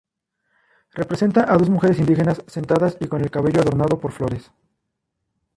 Representa a dos mujeres indígenas sentadas y con el cabello adornado por flores.